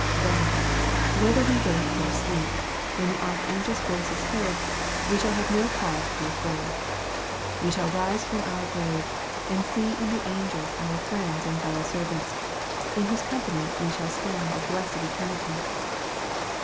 Then, whether we wake or sleep, when the archangel's voice is heard, we shall have no cause to be afraid. We shall rise from our grave, and see in the angels our friends and fellow servants, in whose company we shall spend a blessed eternity.